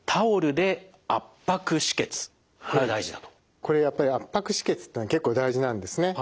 これやっぱり圧迫止血っていうのは結構大事なんですね。